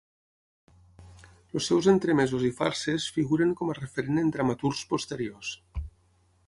Els seus entremesos i farses figuren com a referent en dramaturgs posteriors.